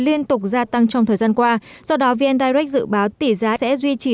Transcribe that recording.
liên tục gia tăng trong thời gian qua do đó vn direct dự báo tỷ giá sẽ duy trì